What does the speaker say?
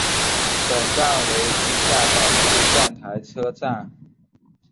本站为地下岛式站台车站。